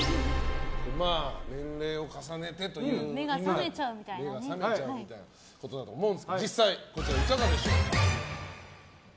まあ、年齢を重ねという意味目が覚めちゃうみたいなことだと思うんですけど実際、いかがでしょう。